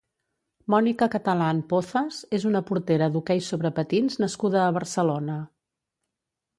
Mònica Catalán Pozas és una portera d’hoquei sobre patins nascuda a Barcelona.